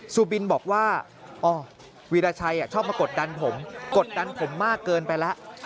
สุบินบอกว่าอ๋อวีรชัยชอบมากดดันผมกดดันผมมากเกินไปแล้ว